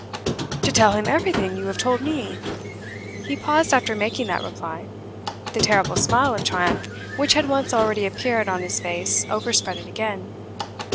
"To tell him everything you have told me." He paused after making that reply. The terrible smile of triumph which had once already appeared on his face overspread it again.